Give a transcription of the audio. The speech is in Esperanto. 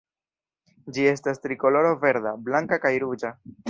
Ĝi estas trikoloro verda, blanka kaj ruĝa.